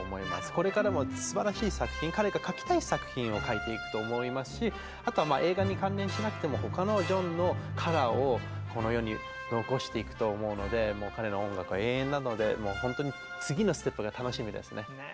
これからもすばらしい作品彼が書きたい作品を書いていくと思いますしあとは映画に関連しなくても他のジョンのカラーをこの世に残していくと思うのでもう彼の音楽は永遠なのでもう本当に次のステップが楽しみですね。ね